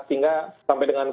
sehingga sampai dengan